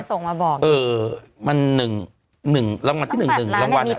ส่งมาบอกเออมันหนึ่งหนึ่งรางวัลที่หนึ่งหนึ่งรางวัลเนี่ย